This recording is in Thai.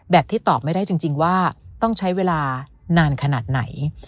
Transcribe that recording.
ที่ตอบไม่ได้จริงว่าต้องใช้เวลานานขนาดไหน